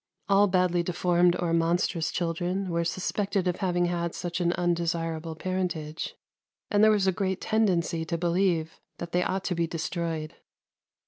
All badly deformed or monstrous children were suspected of having had such an undesirable parentage, and there was a great tendency to believe that they ought to be destroyed.